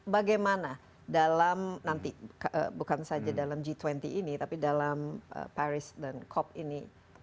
bagaimana dalam nanti bukan saja dalam g dua puluh ini tapi dalam paris dan cop ini